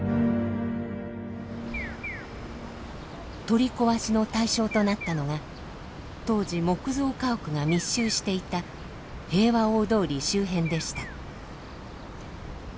取り壊しの対象となったのが当時木造家屋が密集していた平和大通り周辺でした。